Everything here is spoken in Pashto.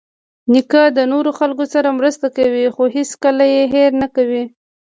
نیکه د نورو خلکو سره مرسته کوي، خو هیڅکله یې هېر نه کوي.